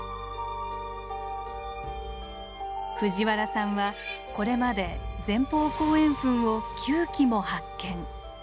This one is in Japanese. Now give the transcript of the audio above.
藤原さんはこれまで前方後円墳を９基も発見。